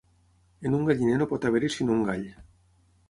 En un galliner no pot haver-hi sinó un gall.